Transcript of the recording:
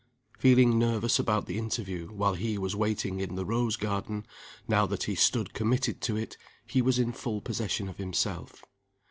Feeling nervous about the interview, while he was waiting in the rose garden now that he stood committed to it, he was in full possession of himself.